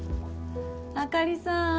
あかりさん